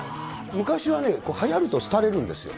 昔はね、はやると、廃れるんですよ。